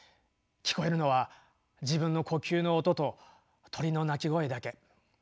聞こえるのは自分の呼吸の音と鳥の鳴き声だけ。